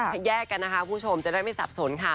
แยกกันนะคะคุณผู้ชมจะได้ไม่สับสนค่ะ